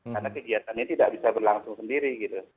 karena kegiatan ini tidak bisa berlangsung sendiri